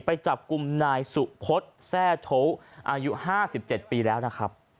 ไปจับกลุ่มนายสุพศแทร่โทอายุ๕๗ปีแล้วนะครับ